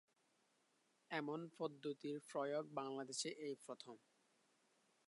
এমন পদ্ধতির প্রয়োগ বাংলাদেশে এই প্রথম।